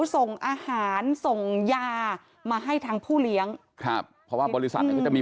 ส่งอาหารส่งยามาให้ทางผู้เลี้ยงครับเพราะว่าบริษัทเนี้ยก็จะมี